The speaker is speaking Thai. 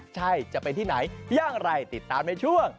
ใช่จะเป็นที่ไหนอย่างไรติดตามในช่วง